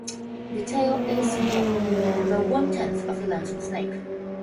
The tail is small, about one-tenth the length of the snake.